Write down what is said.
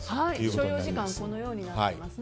所要時間がこのようになっています